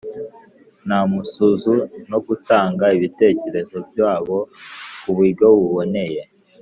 nta mususu no gutanga ibitekerezo byabo ku buryo buboneye